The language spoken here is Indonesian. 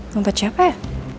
dompet siapa ya